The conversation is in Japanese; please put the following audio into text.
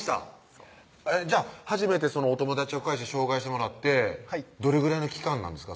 そうじゃあ初めてお友達を介して紹介してもらってどれぐらいの期間なんですか？